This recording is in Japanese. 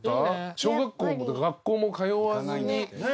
小学校も学校も通わずになんだって。